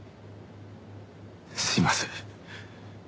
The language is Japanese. すいません。